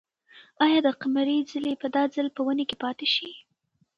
آیا د قمرۍ خلی به دا ځل په ونې کې پاتې شي؟